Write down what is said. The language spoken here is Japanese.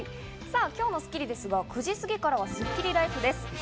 さぁ今日のスッキリですが９時過ぎからはスッキリＬＩＦＥです。